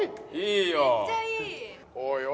いいよ。